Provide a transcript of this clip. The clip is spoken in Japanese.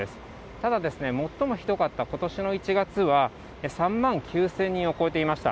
ただ、最もひどかったことしの１月は、３万９０００人を超えていました。